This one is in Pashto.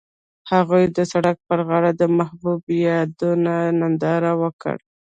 هغوی د سړک پر غاړه د محبوب یادونه ننداره وکړه.